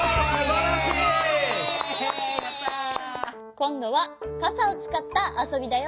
こんどはかさをつかったあそびだよ。